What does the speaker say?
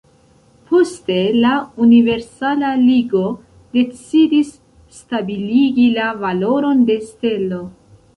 Poste la Universala Ligo decidis stabiligi la valoron de stelo.